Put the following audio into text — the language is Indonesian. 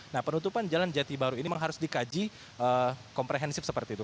nah penutupan jalan jati baru ini memang harus dikaji komprehensif seperti itu